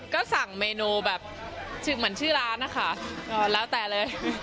ก็สั่งเมนูแบบเหมือนชื่อร้านนะคะก็แล้วแต่เลย